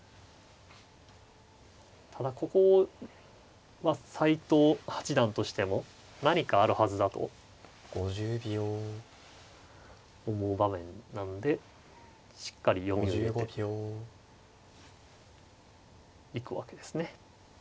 ただここは斎藤八段としても何かあるはずだと思う場面なんでしっかり読みを入れていくわけですね。